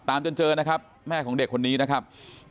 จนเจอนะครับแม่ของเด็กคนนี้นะครับ